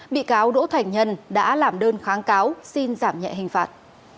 bị cáo đỗ thành nhân đã làm đơn kháng cáo xin giảm nhẹ hình phạt